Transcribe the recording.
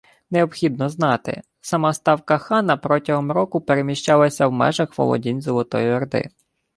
Необхідно знати – сама ставка хана протягом року переміщалася в межах володінь Золотої Орди